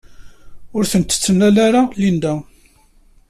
Ur t-tettnal ara Linda.